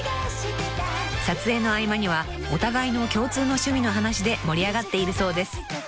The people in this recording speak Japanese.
［撮影の合間にはお互いの共通の趣味の話で盛り上がっているそうです］